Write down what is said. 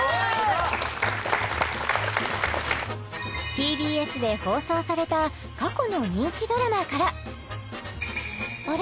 ＴＢＳで放送された過去の人気ドラマからあれ？